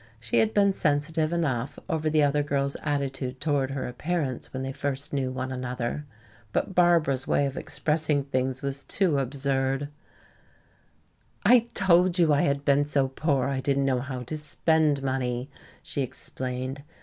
She had been sensitive enough over the other girls' attitude toward her appearance when they first knew one another. But Barbara's way of expressing things was too absurd. "I told you I had been so poor I didn't know how to spend money," she explained.